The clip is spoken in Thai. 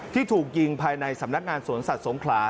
ที่ถูกยิงภายในสำนักงานสวนสัตว์สงขลา